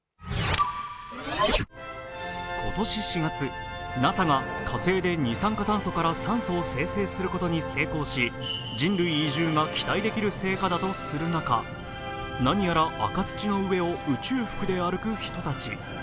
今年４月、ＮＡＳＡが火星で二酸化炭素から酸素を生成することに成功し、人類移住が期待できる成果だとする中、何やら赤土の上を宇宙服で歩く人たち。